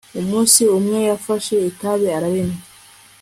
Umunsi umwe yafashe itabi ararinywa